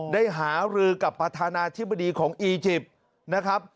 ได้หารือกับประธานาธิบดีของอีจิปต์นะครับ